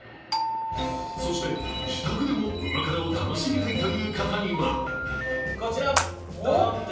そして、自宅でも旨辛を楽しみたいという方にはこちら。